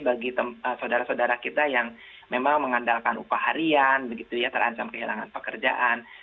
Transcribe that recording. bagi saudara saudara kita yang memang mengandalkan upah harian begitu ya terancam kehilangan pekerjaan